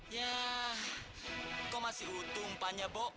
ya kok masih utuh umpannya bo